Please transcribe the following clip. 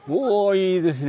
いいですか？